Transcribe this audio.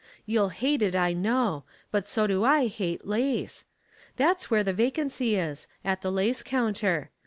You'll hate it, I know ; but so do I hate lace. That's where the vacancy is — at the lace counter.